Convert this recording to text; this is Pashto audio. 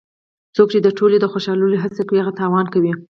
څوک چې د ټولو د خوشحالولو هڅه کوي هغه تاوان کوي.